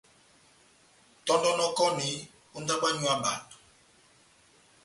Tɔ́ndɔnɔkɔni ó ndábo yanywu ya bato.